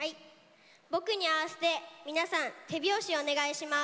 僕に合わせて皆さん手拍子お願いします。